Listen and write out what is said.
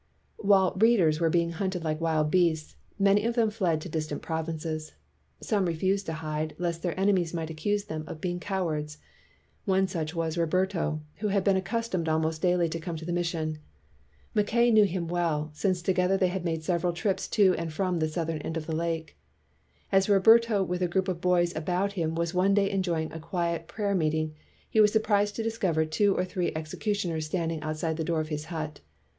While "readers" were being hunted like wild beasts, many of them fled to distant provinces. Some refused to hide, lest their enemies might accuse them of being cow ards. One such was Roberto, who had been accustomed almost daily to come to the mis sion. Mackay knew him well, since to gether they had made several trips to and from the southern end of the lake. As Roberto with a group of boys about him was one day enjoying a quiet prayer meeting, he was surprised to discover two or three executioners standing outside the door of his hut.